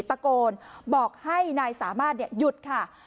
ตะโกนบอกให้นายสามารถหยุดค่ะ